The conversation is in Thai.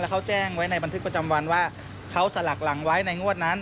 เขาแจ้งไว้ในบันทึกประจำวันว่าเขาสลักหลังไว้ในงวดนั้น